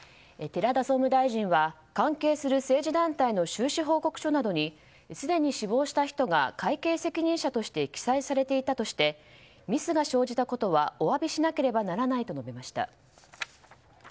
寺田総務大臣は関係する政治団体の収支報告書などにすでに死亡した人が会計責任者として記載されていたとしてミスが生じたことはお詫びしなければならないと述べました。